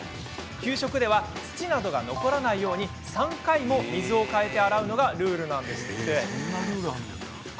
給食では土などが残らないように３回も水を替えて洗うのがルールなんですって。